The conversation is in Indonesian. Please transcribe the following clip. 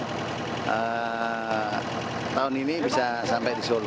jadi tahun ini bisa sampai di solo